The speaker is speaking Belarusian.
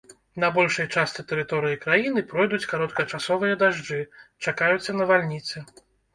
На большай частцы тэрыторыі краіны пройдуць кароткачасовыя дажджы, чакаюцца навальніцы.